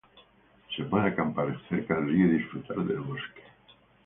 Se puede acampar cerca del río y disfrutar del bosque.